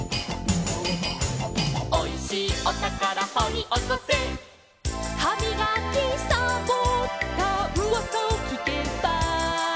「おいしいおたからほりおこせ」「はみがきさぼったうわさをきけば」